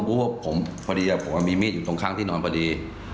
ผมพูดว่าพอดีผมก็มีมีดอยู่ตรงข้างที่นอนพอดี